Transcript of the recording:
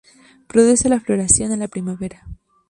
Produce la floración en la primavera.